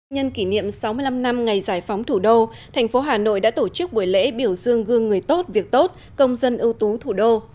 nhân kỷ niệm sáu mươi năm năm ngày giải phóng thủ đô thành phố hà nội đã tổ chức buổi lễ biểu dương gương người tốt việc tốt công dân ưu tú thủ đô